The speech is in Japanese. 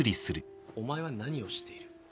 お前は何をしている？